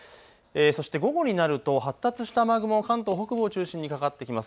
そして午後になると発達した雨雲、関東北部を中心にかかってきます。